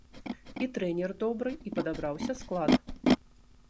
І трэнер добры, і падабраўся склад.